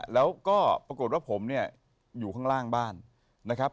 แล้วก็ปรากฏว่าผมเนี่ยอยู่ข้างล่างบ้านนะครับ